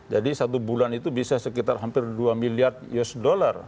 jadi satu bulan itu bisa sekitar hampir dua miliar usd